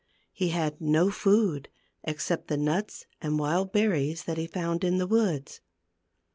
He had no food except the nuts and wild berries that he found in the woods.